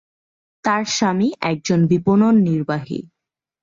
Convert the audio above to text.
তার স্বামী একজন বিপণন নির্বাহী।